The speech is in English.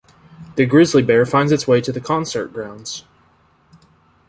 The grizzly bear finds its way to the concert grounds.